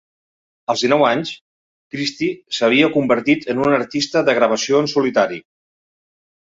Als dinou anys, Christy s'havia convertit en un artista de gravació en solitari.